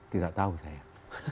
tidak tahu sayang